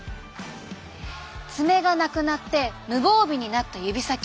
爪がなくなって無防備になった指先。